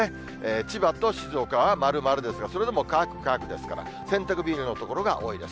千葉と静岡は丸、丸ですが、それでも乾く、乾くですから、洗濯日和の所が多いです。